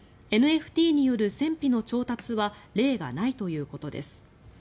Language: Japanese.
ＮＦＴによる戦費の調達は例がないということです。